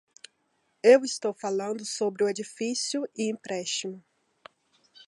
Eu estou falando sobre o edifício e empréstimo.